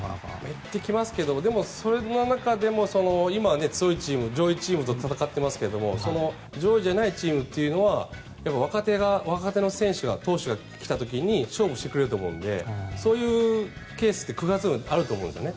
減ってきますけどでもその中でも今は強いチーム上位チームと戦っていますが上位じゃないチームというのは若手の選手が投手が来た時に勝負してくれると思うのでそういうケースって９月はあると思うんですね。